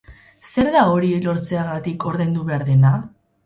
Zer da hori lortzeagatik ordaindu behar dena?